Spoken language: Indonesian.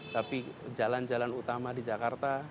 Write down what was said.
tapi jalan jalan utama di jakarta